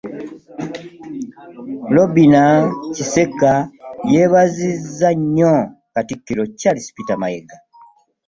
Robinah Kisekka yeebazizza nnyo Katikkiro Charles Peter Mayiga.